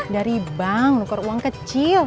dari bank nukar uang kecil